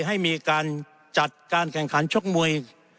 ให้มีการจัดการแข่งขันชกมวย